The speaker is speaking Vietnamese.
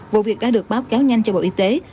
vụ việc đã được báo cáo nhanh cho bộ y tế